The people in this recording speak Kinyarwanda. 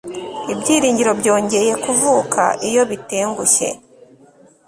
ibyiringiro byongeye kuvuka iyo bitengushye